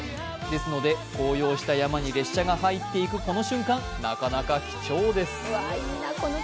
ですので、紅葉した山に列車が入っていくこの瞬間、なかなか貴重です。